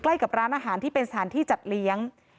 ใกล้กับร้านอาหารที่เป็นสถานที่จัดเลี้ยง